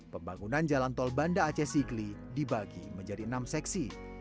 pembangunan jalan tol banda aceh sigli dibagi menjadi enam seksi